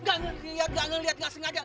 gak ngeliat gak ngeliat gak sengaja